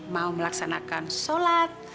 mau melaksanakan sholat